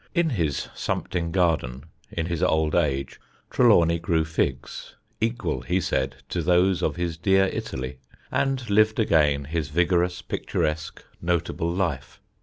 In his Sompting garden, in his old age, Trelawny grew figs, equal, he said, to those of his dear Italy, and lived again his vigorous, picturesque, notable life.